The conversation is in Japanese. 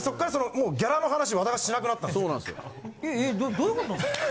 どういうこと？